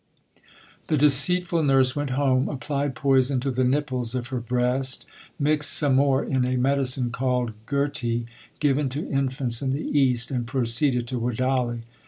The deceitful nurse went home, applied poison to the nipples of her breast, mixed some more in a medicine called gurhti given to infants in the East, and proceeded to Wadali.